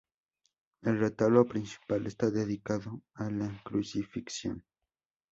El retablo principal está dedicado a la Crucifixión.